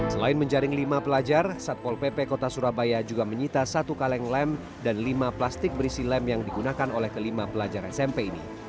selain menjaring lima pelajar satpol pp kota surabaya juga menyita satu kaleng lem dan lima plastik berisi lem yang digunakan oleh kelima pelajar smp ini